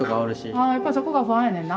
ああやっぱりそこが不安やねんな。